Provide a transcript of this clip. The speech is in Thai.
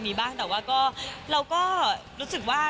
มีบ้างแต่ว่าก็เราก็รู้สึกว่า